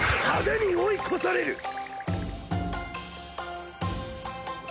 派手に追い越される！